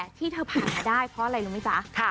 เพราะว่ามีเพื่อนซีอย่างน้ำชาชีระนัทอยู่เคียงข้างเสมอค่ะ